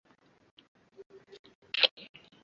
Mimi na mariah tunaweza kubeba watoto